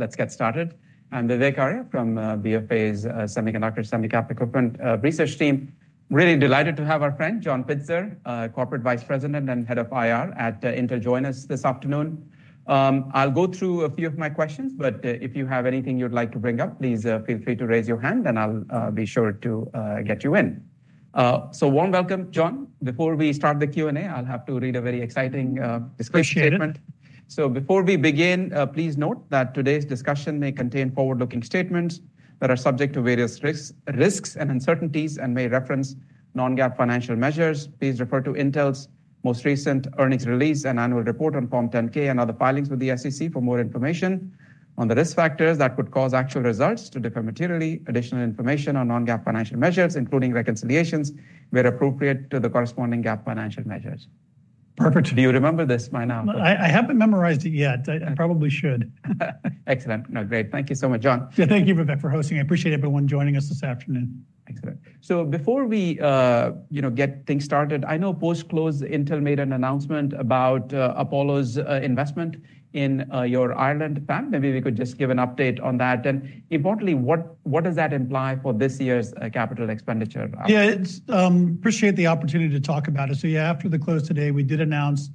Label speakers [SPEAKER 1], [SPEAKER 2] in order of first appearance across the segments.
[SPEAKER 1] Let's get started. I'm Vivek Arya from BofA's Semiconductor/Semicap Equipment Research team. Really delighted to have our friend, John Pitzer, Corporate Vice President and Head of IR at Intel, join us this afternoon. I'll go through a few of my questions, but if you have anything you'd like to bring up, please feel free to raise your hand, and I'll be sure to get you in. So warm welcome, John. Before we start the Q&A, I'll have to read a very exciting disclosure statement.
[SPEAKER 2] Appreciate it.
[SPEAKER 1] So before we begin, please note that today's discussion may contain forward-looking statements that are subject to various risks, risks and uncertainties and may reference non-GAAP financial measures. Please refer to Intel's most recent earnings release and annual report on Form 10-K and other filings with the SEC for more information on the risk factors that could cause actual results to differ materially. Additional information on non-GAAP financial measures, including reconciliations, where appropriate, to the corresponding GAAP financial measures.
[SPEAKER 2] Perfect.
[SPEAKER 1] Do you remember this by now?
[SPEAKER 2] I haven't memorized it yet. I probably should.
[SPEAKER 1] Excellent. No, great. Thank you so much, John.
[SPEAKER 2] Yeah, thank you, Vivek, for hosting. I appreciate everyone joining us this afternoon.
[SPEAKER 1] Excellent. So before we, you know, get things started, I know post-close Intel made an announcement about Apollo's investment in your Ireland Fab. Maybe we could just give an update on that and importantly, what, what does that imply for this year's capital expenditure?
[SPEAKER 2] Yeah, it's... Appreciate the opportunity to talk about it. So, yeah, after the close today, we did announce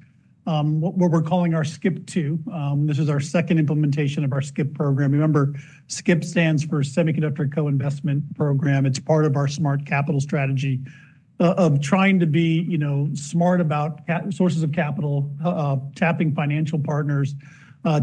[SPEAKER 2] what we're calling our SCIP 2. This is our second implementation of our SCIP program. Remember, SCIP stands for Semiconductor Co-Investment Program. It's part of our Smart Capital strategy, of trying to be, you know, smart about sources of capital, tapping financial partners,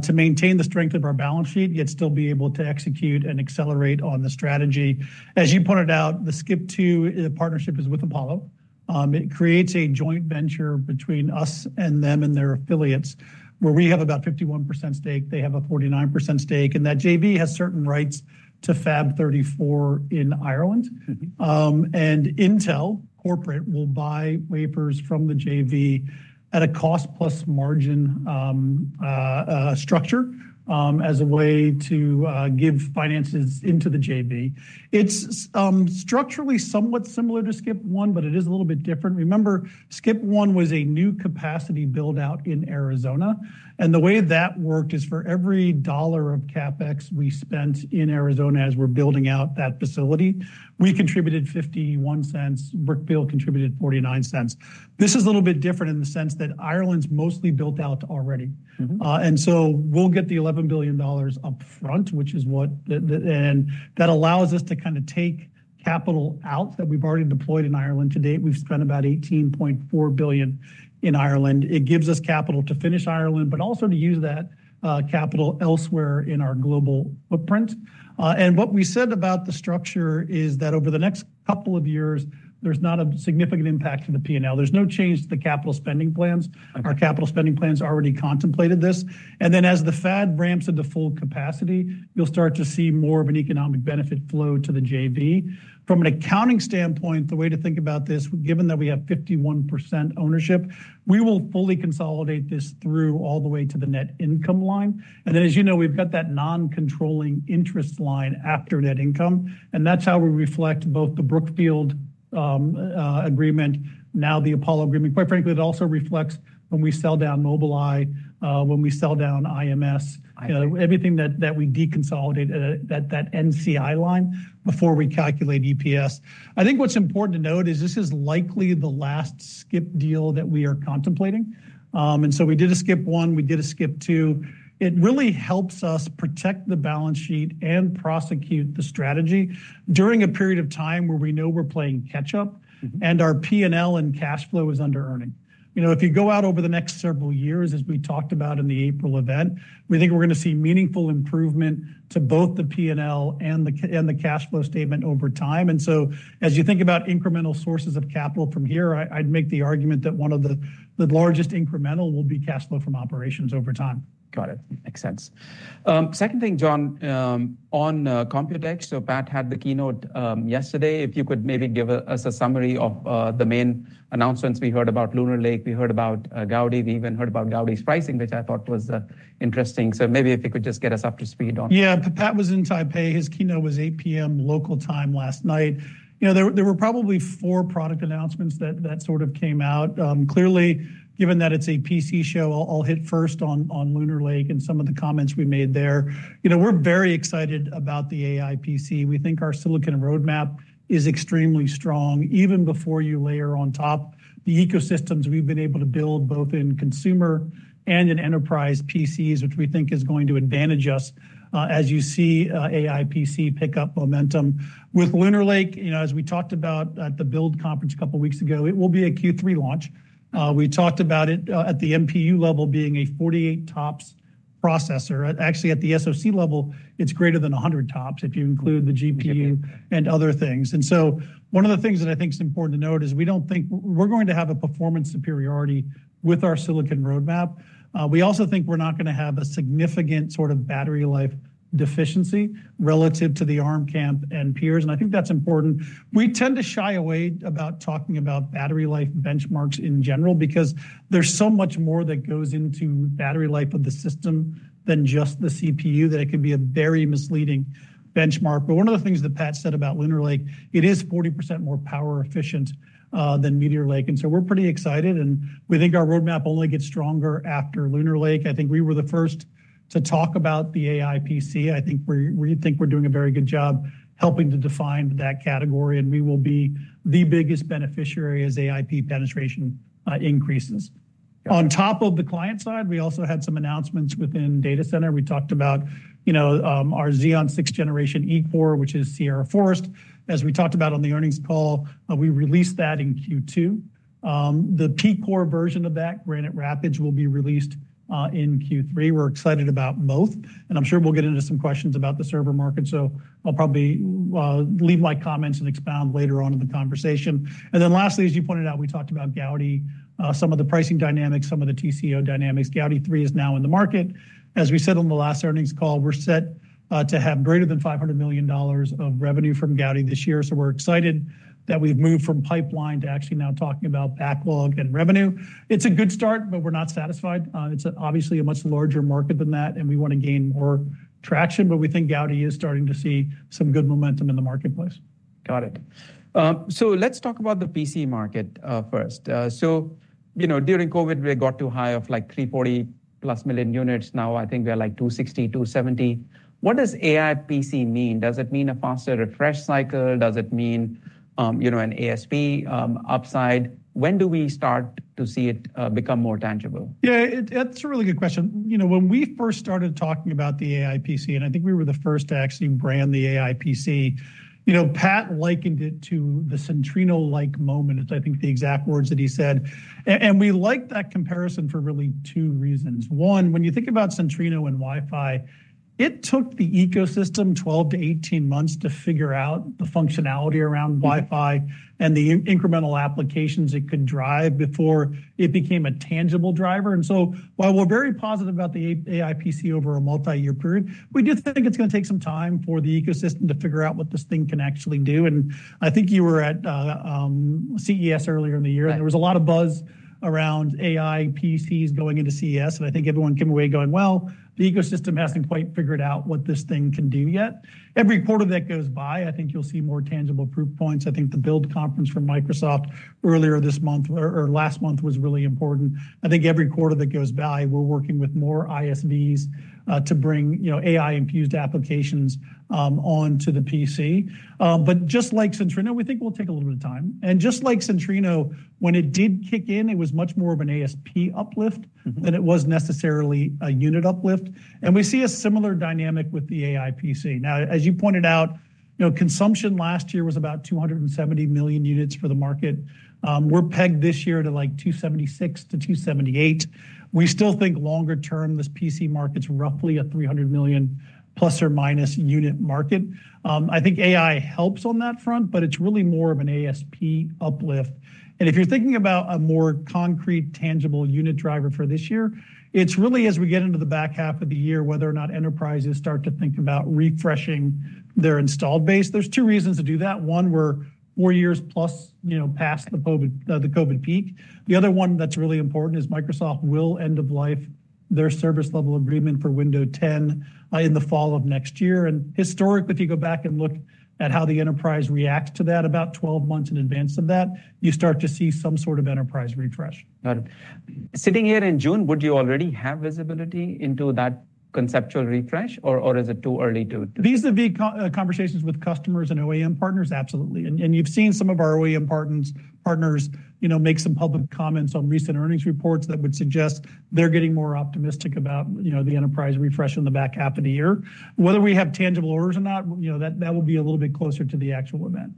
[SPEAKER 2] to maintain the strength of our balance sheet, yet still be able to execute and accelerate on the strategy. As you pointed out, the SCIP 2, the partnership is with Apollo. It creates a joint venture between us and them and their affiliates, where we have about 51% stake, they have a 49% stake, and that JV has certain rights to Fab 34 in Ireland. Intel Corporate will buy wafers from the JV at a cost plus margin, structure, as a way to, give finances into the JV. It's structurally somewhat similar to SCIP 1, but it is a little bit different. Remember, SCIP 1 was a new capacity build-out in Arizona, and the way that worked is for every $1 of CapEx we spent in Arizona as we're building out that facility, we contributed $0.51, Brookfield contributed $0.49. This is a little bit different in the sense that Ireland's mostly built out already. So we'll get the $11 billion up front, which is what the and that allows us to kind of take capital out that we've already deployed in Ireland. To-date, we've spent about $18.4 billion in Ireland. It gives us capital to finish Ireland, but also to use that capital elsewhere in our global footprint. What we said about the structure is that over the next couple of years, there's not a significant impact to the P&L. There's no change to the capital spending plans. Our capital spending plans already contemplated this, and then as the fab ramps into full capacity, you'll start to see more of an economic benefit flow to the JV. From an accounting standpoint, the way to think about this, given that we have 51% ownership, we will fully consolidate this through all the way to the net income line. Then, as you know, we've got that non-controlling interest line after net income, and that's how we reflect both the Brookfield agreement, now the Apollo agreement. Quite frankly, it also reflects when we sell down Mobileye, when we sell down IMS. You know, everything that we deconsolidate at that NCI line before we calculate EPS. I think what's important to note is this is likely the last SCIP deal that we are contemplating and so we did a SCIP 1, we did a SCIP 2. It really helps us protect the balance sheet and prosecute the strategy during a period of time where we know we're playing catch-up and our P&L and cash flow is under earning. You know, if you go out over the next several years, as we talked about in the April event, we think we're gonna see meaningful improvement to both the P&L and the cash flow statement over time. So as you think about incremental sources of capital from here, I, I'd make the argument that one of the, the largest incremental will be cash flow from operations over time.
[SPEAKER 1] Got it. Makes sense. Second thing, John, on Computex, so Pat had the keynote yesterday. If you could maybe give us a summary of the main announcements. We heard about Lunar Lake, we heard about Gaudi, we even heard about Gaudi's pricing, which I thought was interesting. So maybe if you could just get us up to speed on.
[SPEAKER 2] Yeah. Pat was in Taipei. His keynote was 8:00 p.m. local time last night. You know, there were probably four product announcements that sort of came out. Clearly, given that it's a PC show, I'll hit first on Lunar Lake and some of the comments we made there. You know, we're very excited about the AI PC. We think our silicon roadmap is extremely strong, even before you layer on top the ecosystems we've been able to build, both in consumer and in enterprise PCs, which we think is going to advantage us, as you see AI PC pick up momentum. With Lunar Lake, you know, as we talked about at the Build Conference a couple weeks ago, it will be a Q3 launch. We talked about it at the NPU level being a 48 TOPS processor. Actually, at the SoC level, it's greater than 100 TOPS if you include the GPU and other things. So one of the things that I think is important to note is we don't think we're going to have a performance superiority with our silicon roadmap. We also think we're not gonna have a significant sort of battery life deficiency relative to the Arm camp and peers, and I think that's important. We tend to shy away about talking about battery life benchmarks in general, because there's so much more that goes into battery life of the system than just the CPU, that it can be a very misleading benchmark. But one of the things that Pat said about Lunar Lake, it is 40% more power efficient than Meteor Lake, and so we're pretty excited, and we think our roadmap only gets stronger after Lunar Lake. I think we were the first to talk about the AI PC. I think we're doing a very good job helping to define that category, and we will be the biggest beneficiary as AI PC penetration increases. On top of the client side, we also had some announcements within data center. We talked about our Xeon 6 generation E-core, which is Sierra Forest. As we talked about on the earnings call, we released that in Q2. The P-core version of that, Granite Rapids, will be released in Q3. We're excited about both, and I'm sure we'll get into some questions about the server market, so I'll probably leave my comments and expound later on in the conversation. Then lastly, as you pointed out, we talked about Gaudi, some of the pricing dynamics, some of the TCO dynamics. Gaudi 3 is now in the market. As we said on the last earnings call, we're set to have greater than $500 million of revenue from Gaudi this year. So we're excited that we've moved from pipeline to actually now talking about backlog and revenue. It's a good start, but we're not satisfied. It's obviously a much larger market than that, and we want to gain more traction. But we think Gaudi is starting to see some good momentum in the marketplace.
[SPEAKER 1] Got it. So let's talk about the PC market, first. So, you know, during COVID, we got to high of, like, 340+ million units. Now, I think we are, like, 260-270. What does AI PC mean? Does it mean a faster refresh cycle? Does it mean, you know, an ASP, upside? When do we start to see it, become more tangible?
[SPEAKER 2] Yeah, it's a really good question. You know, when we first started talking about the AI PC, and I think we were the first to actually brand the AI PC, you know, Pat likened it to the Centrino-like moment. I think, the exact words that he said, and we liked that comparison for really two reasons. One, when you think about Centrino and Wi-Fi, it took the ecosystem 12-18 months to figure out the functionality around Wi-Fi and the incremental applications it could drive before it became a tangible driver. So while we're very positive about the AI PC over a multi-year period, we do think it's gonna take some time for the ecosystem to figure out what this thing can actually do. I think you were at CES earlier in the year. There was a lot of buzz around AI PCs going into CES, and I think everyone came away going: "Well, the ecosystem hasn't quite figured out what this thing can do yet." Every quarter that goes by, I think you'll see more tangible proof points. I think the Build conference from Microsoft earlier this month or last month was really important. I think every quarter that goes by, we're working with more ISVs to bring, you know, AI-infused applications onto the PC. But just like Centrino, we think it will take a little bit of time and just like Centrino, when it did kick in, it was much more of an ASP uplift than it was necessarily a unit uplift. We see a similar dynamic with the AI PC. Now, as you pointed out, you know, consumption last year was about 270 million units for the market. We're pegged this year to, like, 276-278. We still think longer term, this PC market's roughly a 300 million ± unit market. I think AI helps on that front, but it's really more of an ASP uplift and if you're thinking about a more concrete, tangible unit driver for this year, it's really, as we get into the back half of the year, whether or not enterprises start to think about refreshing their installed base. There's two reasons to do that. One, we're four years+, you know, past the COVID peak. The other one that's really important is Microsoft will end of life their service level agreement for Windows 10 in the fall of next year and historically, if you go back and look at how the enterprise reacts to that, about 12 months in advance of that, you start to see some sort of enterprise refresh.
[SPEAKER 1] Got it. Sitting here in June, would you already have visibility into that conceptual refresh, or is it too early?
[SPEAKER 2] Vis-à-vis conversations with customers and OEM partners? Absolutely, and you've seen some of our OEM partners, you know, make some public comments on recent earnings reports that would suggest they're getting more optimistic about, you know, the enterprise refresh in the back half of the year. Whether we have tangible orders or not, you know, that will be a little bit closer to the actual event.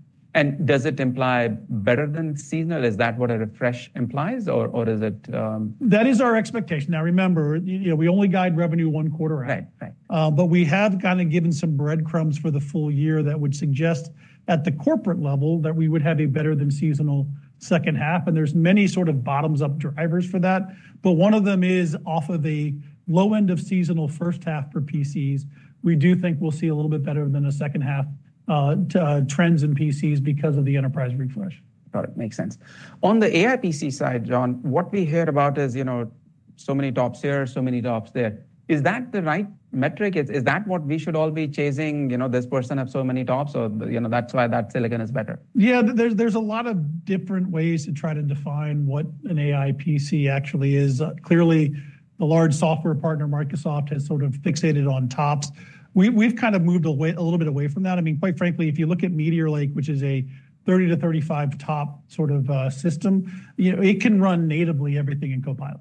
[SPEAKER 1] Does it imply better than seasonal? Is that what a refresh implies, or, or does it-
[SPEAKER 2] That is our expectation. Now, remember, you know, we only guide revenue one quarter out.
[SPEAKER 1] Right. Right.
[SPEAKER 2] But we have kinda given some breadcrumbs for the full year that would suggest, at the corporate level, that we would have a better than seasonal second half, and there's many sort of bottoms-up drivers for that. But one of them is off of the low end of seasonal first half for PCs. We do think we'll see a little bit better than the second half trends in PCs because of the enterprise refresh.
[SPEAKER 1] Got it. Makes sense. On the AI PC side, John, what we hear about is, you know, so many TOPS here, so many TOPS there. Is that the right metric? Is that what we should all be chasing? You know, this person have so many TOPS or, you know, that's why that silicon is better.
[SPEAKER 2] Yeah, there's a lot of different ways to try to define what an AI PC actually is. Clearly, the large software partner, Microsoft, has sort of fixated on TOPS. We've kind of moved away a little bit from that. I mean, quite frankly, if you look at Meteor Lake, which is a 30-35 TOPS sort of system, you know, it can run natively everything in Copilot.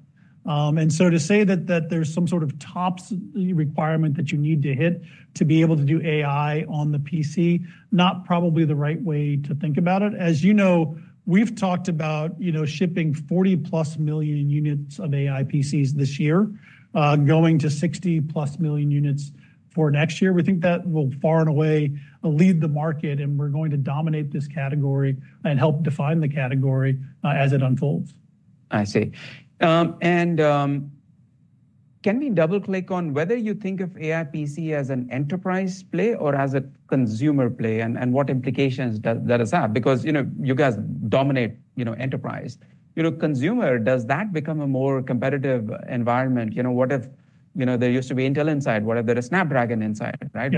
[SPEAKER 2] So to say that there's some sort of TOPS requirement that you need to hit to be able to do AI on the PC, not probably the right way to think about it. As you know, we've talked about, you know, shipping 40+ million units of AI PCs this year, going to 60+ million units for next year. We think that will far and away lead the market, and we're going to dominate this category and help define the category, as it unfolds.
[SPEAKER 1] I see. Can we double-click on whether you think of AI PC as an enterprise play or as a consumer play, and what implications does that has? Because, you know, you guys dominate, you know, enterprise. You know, consumer, does that become a more competitive environment? You know, what if... You know, there used to be Intel Inside. What if there is Snapdragon Inside, right?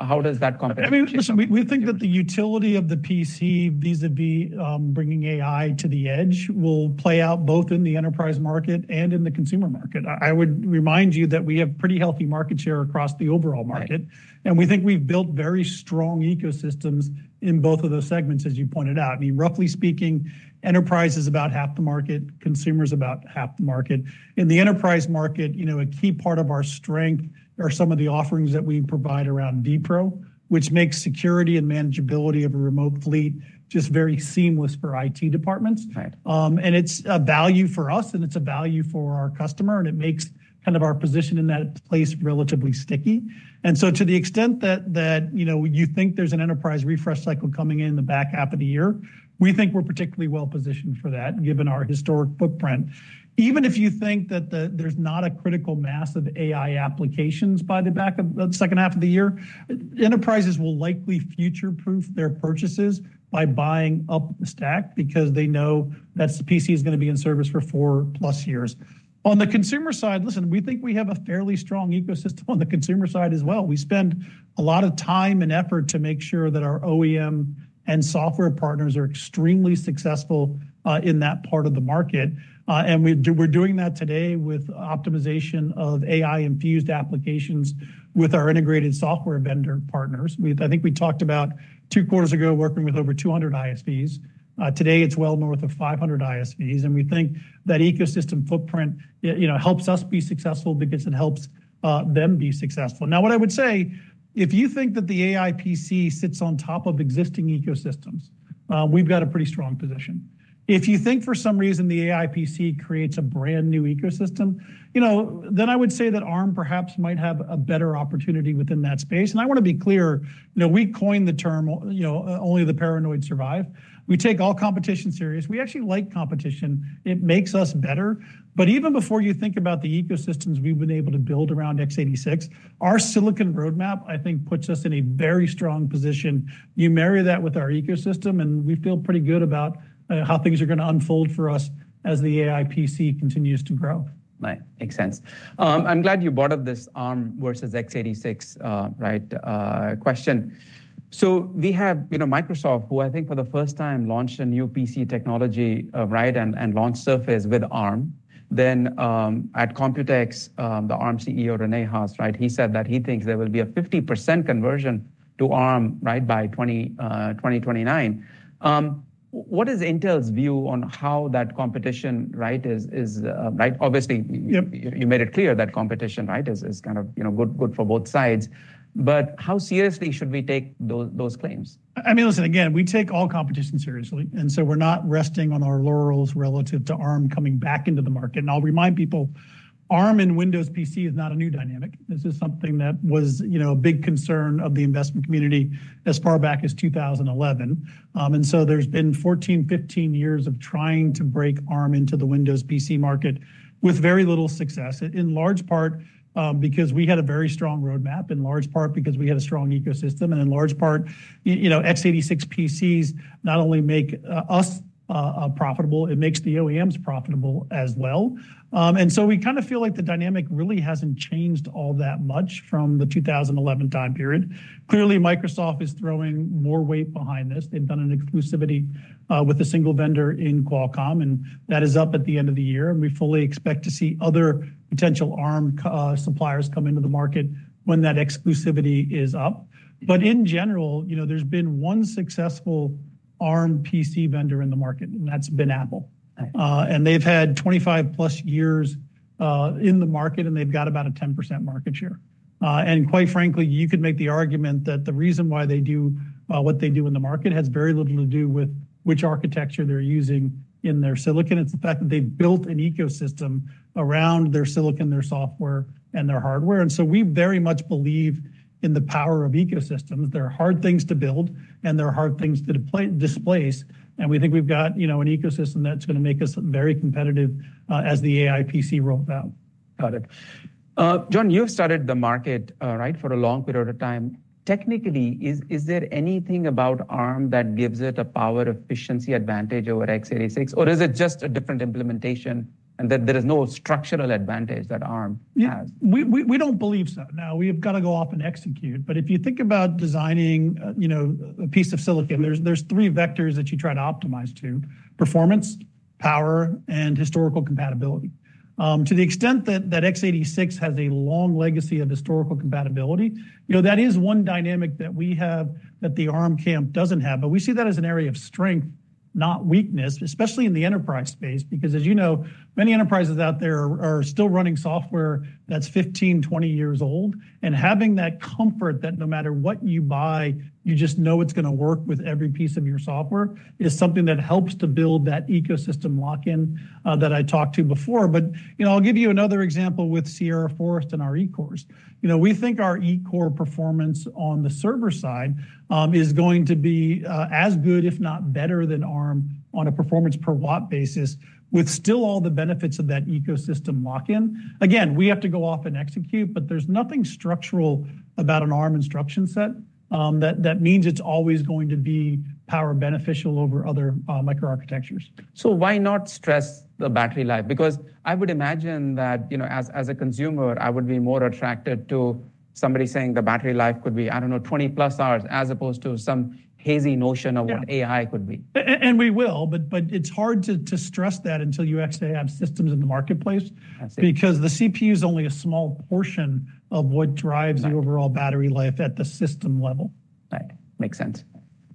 [SPEAKER 1] How does that competition-
[SPEAKER 2] I mean, listen, we, we think that the utility of the PC, vis-à-vis, bringing AI to the edge, will play out both in the enterprise market and in the consumer market. I, I would remind you that we have pretty healthy market share across the overall market and we think we've built very strong ecosystems in both of those segments, as you pointed out. I mean, roughly speaking, enterprise is about half the market, consumer is about half the market. In the enterprise market, you know, a key part of our strength are some of the offerings that we provide around vPro, which makes security and manageability of a remote fleet just very seamless for IT departments. It's a value for us, and it's a value for our customer, and it makes kind of our position in that place relatively sticky. So to the extent that, that, you know, you think there's an enterprise refresh cycle coming in the back half of the year, we think we're particularly well-positioned for that, given our historic footprint. Even if you think that there's not a critical mass of AI applications by the back of the second half of the year, enterprises will likely future-proof their purchases by buying up the stack because they know that the PC is gonna be in service for 4+ years. On the consumer side, listen, we think we have a fairly strong ecosystem on the consumer side as well. We spend a lot of time and effort to make sure that our OEM and software partners are extremely successful in that part of the market and we're doing that today with optimization of AI-infused applications with our independent software vendor partners. I think we talked about two quarters ago, working with over 200 ISVs. Today, it's well more than 500 ISVs, and we think that ecosystem footprint, you know, helps us be successful because it helps them be successful. Now, what I would say, if you think that the AI PC sits on top of existing ecosystems, we've got a pretty strong position. If you think for some reason the AI PC creates a brand-new ecosystem, you know, then I would say that Arm perhaps might have a better opportunity within that space. I want to be clear, you know, we coined the term, you know, only the paranoid survive. We take all competition seriously. We actually like competition. It makes us better. But even before you think about the ecosystems we've been able to build around x86, our silicon roadmap, I think, puts us in a very strong position. You marry that with our ecosystem, and we feel pretty good about how things are gonna unfold for us as the AI PC continues to grow.
[SPEAKER 1] Right. Makes sense. I'm glad you brought up this Arm versus x86 question. So we have, you know, Microsoft, who I think for the first time, launched a new PC technology, right, and launched Surface with Arm. Then, at Computex, the Arm CEO, Rene Haas, right, he said that he thinks there will be a 50% conversion to Arm, right, by 2029. What is Intel's view on how that competition is. Obviously you made it clear that competition, right, is kind of, you know, good for both sides. But how seriously should we take those claims?
[SPEAKER 2] I mean, listen, again, we take all competition seriously, and so we're not resting on our laurels relative to Arm coming back into the market. I'll remind people, Arm in Windows PC is not a new dynamic. This is something that was, you know, a big concern of the investment community as far back as 2011. So there's been 14, 15 years of trying to break Arm into the Windows PC market with very little success, in large part, because we had a very strong roadmap, in large part because we had a strong ecosystem, and in large part, you know, x86 PCs not only make us profitable, it makes the OEMs profitable as well. So we kind of feel like the dynamic really hasn't changed all that much from the 2011 time period. Clearly, Microsoft is throwing more weight behind this. They've done an exclusivity with a single vendor in Qualcomm, and that is up at the end of the year, and we fully expect to see other potential Arm suppliers come into the market when that exclusivity is up. But in general, you know, there's been one successful Arm PC vendor in the market, and that's been Apple. They've had 25+ years in the market, and they've got about a 10% market share and quite frankly, you could make the argument that the reason why they do what they do in the market has very little to do with which architecture they're using in their silicon. It's the fact that they've built an ecosystem around their silicon, their software, and their hardware. So we very much believe in the power of ecosystems. They're hard things to build, and they're hard things to deploy-displace, and we think we've got, you know, an ecosystem that's gonna make us very competitive as the AI PC roll out.
[SPEAKER 1] Got it. John, you've studied the market, right, for a long period of time. Technically, is there anything about Arm that gives it a power efficiency advantage over x86, or is it just a different implementation and that there is no structural advantage that Arm has?
[SPEAKER 2] Yeah. We don't believe so. Now, we've got to go off and execute, but if you think about designing, you know, a piece of silicon, there's three vectors that you try to optimize to: performance, power, and historical compatibility. To the extent that x86 has a long legacy of historical compatibility, you know, that is one dynamic that we have that the Arm camp doesn't have. But we see that as an area of strength, not weakness, especially in the enterprise space, because as you know, many enterprises out there are still running software that's 15, 20 years old and having that comfort that no matter what you buy, you just know it's gonna work with every piece of your software, is something that helps to build that ecosystem lock-in, that I talked to before. You know, I'll give you another example with Sierra Forest and our E-cores. You know, we think our E-core performance on the server side is going to be as good, if not better than Arm, on a performance per watt basis, with still all the benefits of that ecosystem lock-in. Again, we have to go off and execute, but there's nothing structural about an Arm instruction set that means it's always going to be power beneficial over other microarchitectures.
[SPEAKER 1] So why not stress the battery life? Because I would imagine that, you know, as a consumer, I would be more attracted to somebody saying the battery life could be, I don't know, 20+ hours, as opposed to some hazy notion of what AI could be.
[SPEAKER 2] We will, but it's hard to stress that until you actually have systems in the marketplace-
[SPEAKER 1] I see...
[SPEAKER 2] because the CPU is only a small portion of what drives the overall battery life at the system level.
[SPEAKER 1] Right. Makes sense.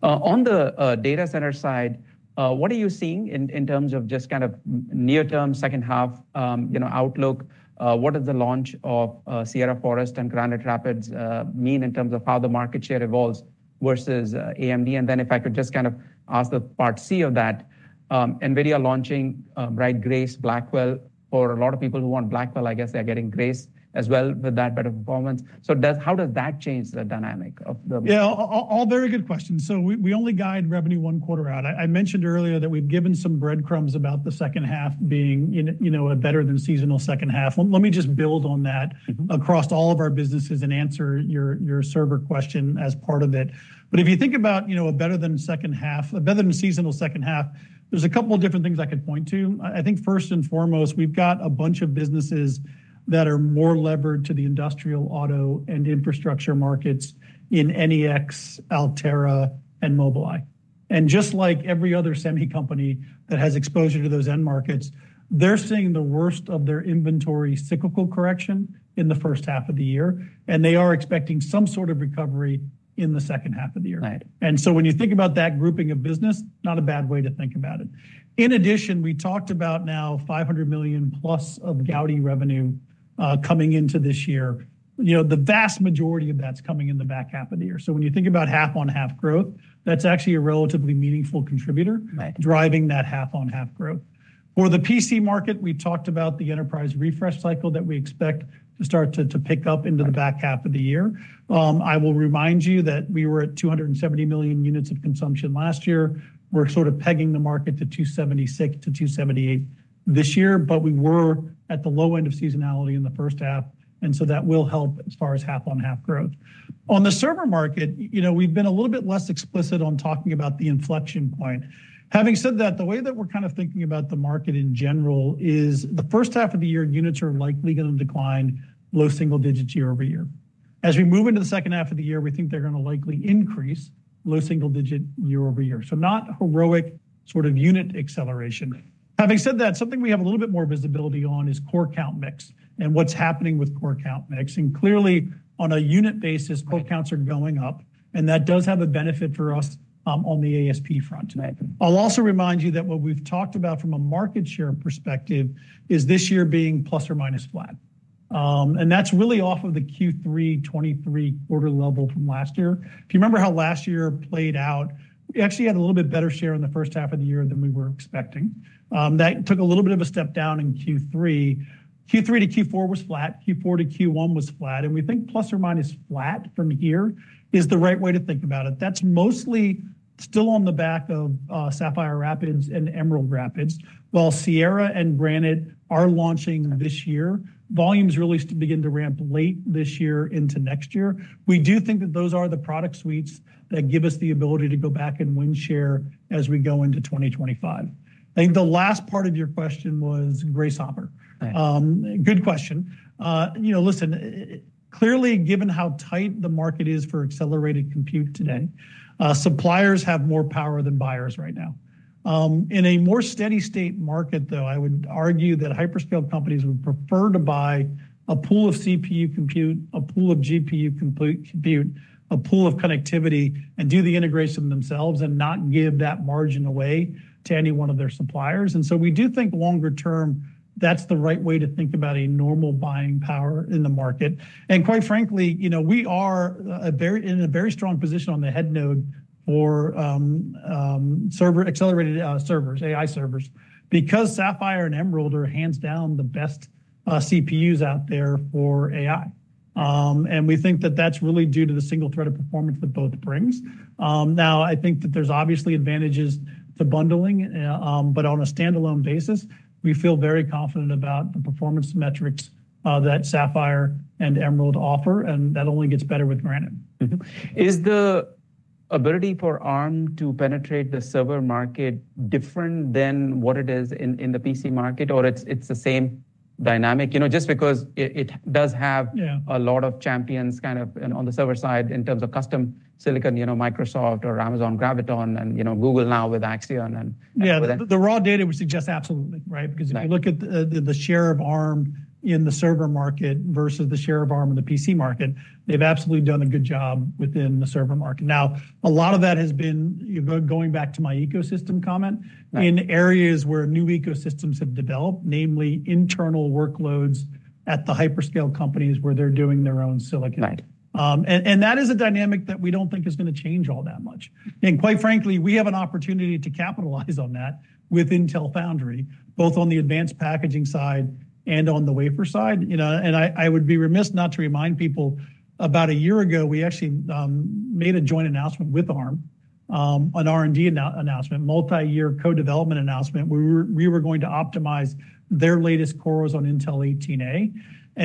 [SPEAKER 1] On the data center side, what are you seeing in terms of just kind of near term, second half, you know, outlook? What is the launch of Sierra Forest and Granite Rapids mean in terms of how the market share evolves versus AMD? Then if I could just kind of ask the part C of that, NVIDIA launching, right, Grace Blackwell. For a lot of people who want Blackwell, I guess they're getting Grace as well with that bit of performance. So, how does that change the dynamic of the-
[SPEAKER 2] Yeah, all very good questions. So we only guide revenue one quarter out. I mentioned earlier that we've given some breadcrumbs about the second half being in, you know, a better than seasonal second half. Let me just build on that across all of our businesses and answer your, your server question as part of it. But if you think about, you know, a better than second half, a better than seasonal second half, there's a couple of different things I could point to. I, I think first and foremost, we've got a bunch of businesses that are more levered to the industrial, auto, and infrastructure markets in NEX, Altera, and Mobileye. Just like every other semi company that has exposure to those end markets, they're seeing the worst of their inventory cyclical correction in the first half of the year, and they are expecting some sort of recovery in the second half of the year.
[SPEAKER 1] Right.
[SPEAKER 2] So when you think about that grouping of business, not a bad way to think about it. In addition, we talked about now $500 million+ of Gaudi revenue, coming into this year. You know, the vast majority of that's coming in the back half of the year. So when you think about half-on-half growth, that's actually a relatively meaningful contributor driving that half-on-half growth. For the PC market, we talked about the enterprise refresh cycle that we expect to start to pick up into the back half of the year. I will remind you that we were at 270 million units of consumption last year. We're sort of pegging the market to 276-278 this year, but we were at the low end of seasonality in the first half, and so that will help as far as half-on-half growth. On the server market, you know, we've been a little bit less explicit on talking about the inflection point. Having said that, the way that we're kind of thinking about the market in general is the first half of the year, units are likely going to decline low single digits year-over-year. As we move into the second half of the year, we think they're going to likely increase low single digit year-over-year, so not heroic sort of unit acceleration. Having said that, something we have a little bit more visibility on is core count mix and what's happening with core count mix, and clearly, on a unit basis core counts are going up, and that does have a benefit for us, on the ASP front.
[SPEAKER 1] Right.
[SPEAKER 2] I'll also remind you that what we've talked about from a market share perspective is this year being ± flat. That's really off of the Q3 2023 order level from last year. If you remember how last year played out, we actually had a little bit better share in the first half of the year than we were expecting. That took a little bit of a step down in Q3. Q3 to Q4 was flat, Q4 to Q1 was flat, and we think ± flat from here is the right way to think about it. That's mostly still on the back of, Sapphire Rapids and Emerald Rapids. While Sierra and Granite are launching this year, volumes really begin to ramp late this year into next year. We do think that those are the product suites that give us the ability to go back and win share as we go into 2025. I think the last part of your question was Grace Hopper.
[SPEAKER 1] Right.
[SPEAKER 2] Good question. You know, listen, clearly, given how tight the market is for accelerated compute today, suppliers have more power than buyers right now. In a more steady state market, though, I would argue that hyperscale companies would prefer to buy a pool of CPU compute, a pool of GPU compute, a pool of connectivity, and do the integration themselves and not give that margin away to any one of their suppliers. So we do think longer term, that's the right way to think about a normal buying power in the market. Quite frankly, you know, we are in a very strong position on the head node for server, accelerated servers, AI servers, because Sapphire and Emerald are hands down the best CPUs out there for AI. We think that that's really due to the single thread of performance that both brings. Now, I think that there's obviously advantages to bundling, but on a standalone basis, we feel very confident about the performance metrics that Sapphire and Emerald offer, and that only gets better with Granite.
[SPEAKER 1] Is the ability for Arm to penetrate the server market different than what it is in the PC market, or it's the same dynamic? You know, just because it does have a lot of champions kind of and on the server side, in terms of custom silicon, you know, Microsoft or Amazon Graviton and, you know, Google now with Axion and-
[SPEAKER 2] Yeah, the raw data would suggest absolutely, right?
[SPEAKER 1] Right.
[SPEAKER 2] Because if you look at the share of Arm in the server market versus the share of Arm in the PC market, they've absolutely done a good job within the server market. Now, a lot of that has been, you know, going back to my ecosystem comment in areas where new ecosystems have developed, namely internal workloads at the hyperscale companies where they're doing their own silicon.
[SPEAKER 1] Right.
[SPEAKER 2] That is a dynamic that we don't think is going to change all that much. Quite frankly, we have an opportunity to capitalize on that with Intel Foundry, both on the advanced packaging side and on the wafer side. You know, and I would be remiss not to remind people, about a year ago, we actually made a joint announcement with Arm, an R&D announcement, multi-year co-development announcement, where we were going to optimize their latest cores on Intel 18A.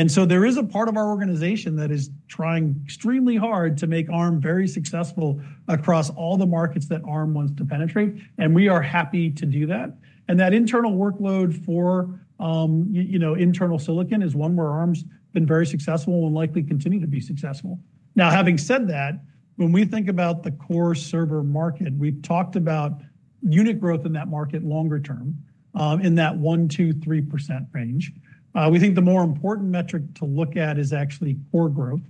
[SPEAKER 2] So there is a part of our organization that is trying extremely hard to make Arm very successful across all the markets that Arm wants to penetrate, and we are happy to do that. That internal workload for, you know, internal silicon is one where Arm's been very successful and will likely continue to be successful. Now, having said that, when we think about the core server market, we've talked about unit growth in that market longer term, in that 1%-2%-3% range. We think the more important metric to look at is actually core growth,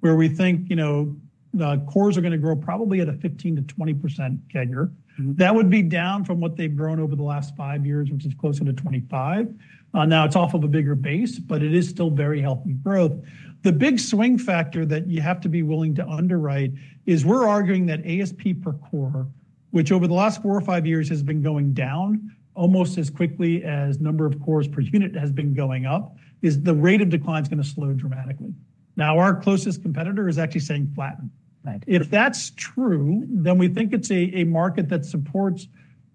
[SPEAKER 2] where we think, you know, the cores are gonna grow probably at a 15%-20% CAGR. That would be down from what they've grown over the last five years, which is closer to 25. Now it's off of a bigger base, but it is still very healthy growth. The big swing factor that you have to be willing to underwrite is we're arguing that ASP per core, which over the last four or five years has been going down almost as quickly as number of cores per unit has been going up, is the rate of decline is gonna slow dramatically. Now, our closest competitor is actually saying flatten. If that's true, then we think it's a market that supports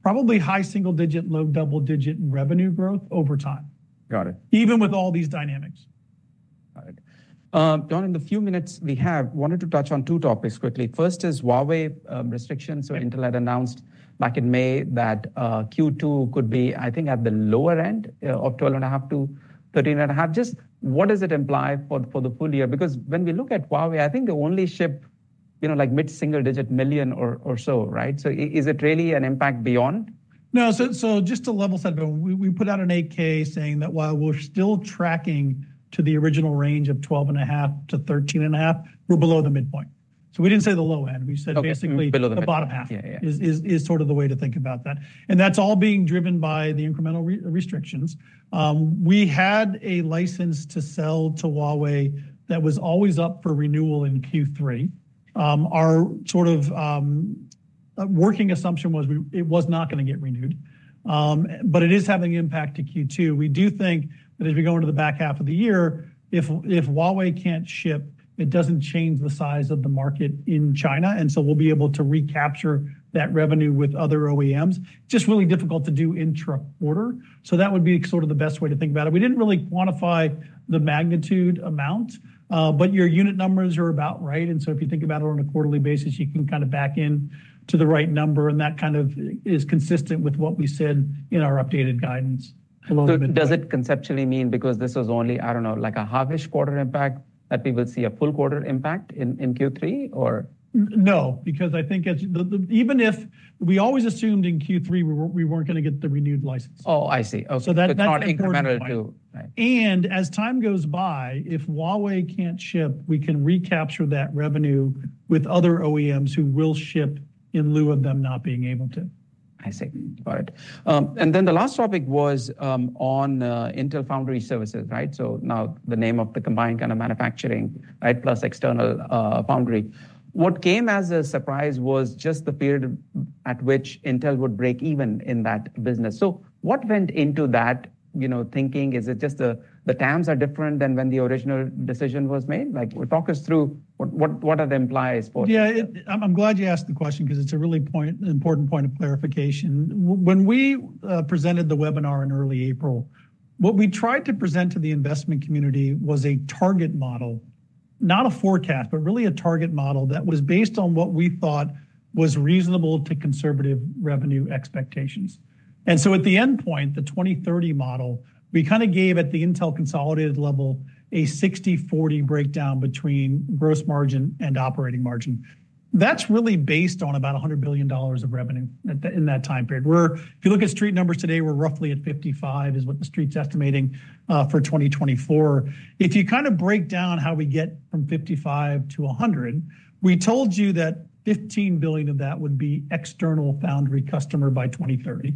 [SPEAKER 2] probably high single digit, low double digit in revenue growth over time.
[SPEAKER 1] Got it.
[SPEAKER 2] Even with all these dynamics.
[SPEAKER 1] Got it. John, in the few minutes we have, wanted to touch on two topics quickly. First is Huawei restrictions. So Intel had announced back in May that Q2 could be, I think, at the lower end of $12.5-$13.5 billion. Just what does it imply for the full year? Because when we look at Huawei, I think they only ship, you know, like mid-single-digit million or so, right? So is it really an impact beyond?
[SPEAKER 2] No. So, so just to level set, we, we put out an 8-K saying that while we're still tracking to the original range of 12.5-13.5, we're below the midpoint. So we didn't say the low end.
[SPEAKER 1] Okay.
[SPEAKER 2] We said basically-
[SPEAKER 1] Below the midpoint....
[SPEAKER 2] the bottom half-
[SPEAKER 1] Yeah, yeah...
[SPEAKER 2] is sort of the way to think about that, and that's all being driven by the incremental restrictions. We had a license to sell to Huawei that was always up for renewal in Q3. Our sort of working assumption was it was not gonna get renewed, but it is having impact to Q2. We do think that as we go into the back half of the year, if Huawei can't ship, it doesn't change the size of the market in China, and so we'll be able to recapture that revenue with other OEMs. Just really difficult to do intra-quarter, so that would be sort of the best way to think about it. We didn't really quantify the magnitude amount, but your unit numbers are about right, and so if you think about it on a quarterly basis, you can kind of back in to the right number, and that kind of is consistent with what we said in our updated guidance.
[SPEAKER 1] Does it conceptually mean because this was only, I don't know, like a half-ish quarter impact, that we will see a full quarter impact in Q3, or?
[SPEAKER 2] No, because I think even if we always assumed in Q3, we weren't, we weren't gonna get the renewed license.
[SPEAKER 1] Oh, I see. Okay.
[SPEAKER 2] So that-
[SPEAKER 1] It's not incremental to... Right.
[SPEAKER 2] As time goes by, if Huawei can't ship, we can recapture that revenue with other OEMs who will ship in lieu of them not being able to.
[SPEAKER 1] I see. Got it. Then the last topic was on Intel Foundry Services, right? So now the name of the combined kind of manufacturing, right, plus external foundry. What came as a surprise was just the period at which Intel would break even in that business. So what went into that, you know, thinking? Is it just the times are different than when the original decision was made? Like, well, talk us through what are the implications for-
[SPEAKER 2] Yeah, I'm glad you asked the question because it's a really important point of clarification. When we presented the webinar in early April, what we tried to present to the investment community was a target model. Not a forecast, but really a target model that was based on what we thought was reasonable to conservative revenue expectations. So at the endpoint, the 2030 model, we kinda gave at the Intel consolidated level, a 60/40 breakdown between gross margin and operating margin. That's really based on about $100 billion of revenue in that time period, where if you look at Street numbers today, we're roughly at $55 billion, is what the Street's estimating for 2024. If you kind of break down how we get from $55 to $100, we told you that $15 billion of that would be external foundry customer by 2030.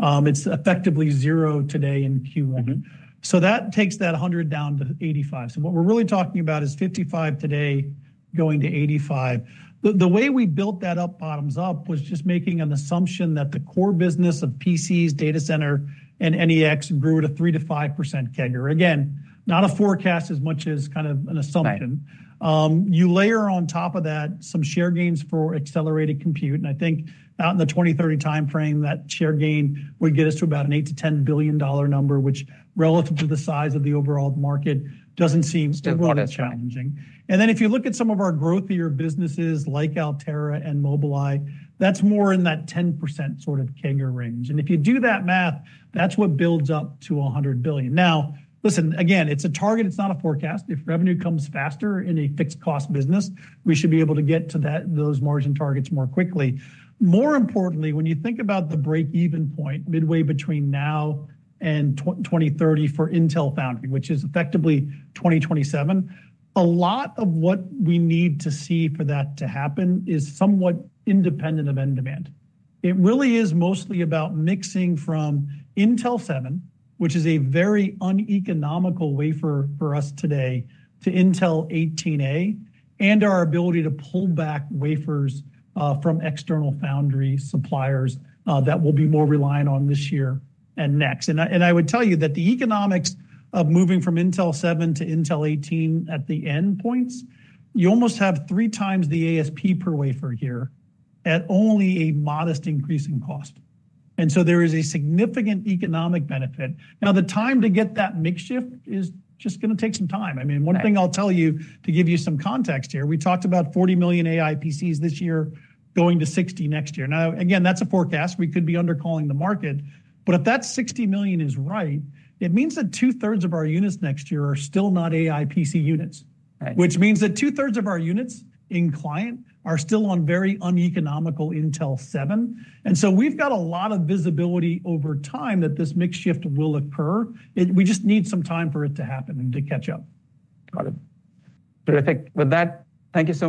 [SPEAKER 2] It's effectively 0 today in Q1. So that takes that $100 down to $85. So what we're really talking about is $55 today going to $85. The way we built that up, bottoms up, was just making an assumption that the core business of PCs, data center, and NEX grew at a 3%-5% CAGR. Again, not a forecast as much as kind of an assumption.
[SPEAKER 1] Right.
[SPEAKER 2] You layer on top of that some share gains for accelerated compute, and I think out in the 2030 timeframe, that share gain would get us to about an $8 billion-$10 billion number, which relative to the size of the overall market, doesn't seem all that challenging.
[SPEAKER 1] Still challenging.
[SPEAKER 2] Then if you look at some of our growthier businesses like Altera and Mobileye, that's more in that 10% sort of CAGR range and if you do that math, that's what builds up to $100 billion. Now, listen, again, it's a target, it's not a forecast. If revenue comes faster in a fixed cost business, we should be able to get to that, those margin targets more quickly. More importantly, when you think about the break-even point midway between now and 2030 for Intel Foundry, which is effectively 2027, a lot of what we need to see for that to happen is somewhat independent of end demand. It really is mostly about mixing from Intel 7, which is a very uneconomical wafer for us today, to Intel 18A, and our ability to pull back wafers from external foundry suppliers that we'll be more reliant on this year and next, and I would tell you that the economics of moving from Intel 7 to Intel 18A at the end points, you almost have 3x the ASP per wafer here at only a modest increase in cost, and so there is a significant economic benefit. Now, the time to get that mix shift is just gonna take some time. I mean, one thing I'll tell you, to give you some context here, we talked about 40 million AI PCs this year going to 60 next year. Now, again, that's a forecast. We could be under-calling the market, but if that 60 million is right, it means that two-thirds of our units next year are still not AI PC units. Which means that 2/3 of our units in client are still on very uneconomical Intel 7, and so we've got a lot of visibility over time that this mix shift will occur. We just need some time for it to happen and to catch up.
[SPEAKER 1] Got it. Terrific. With that, thank you so-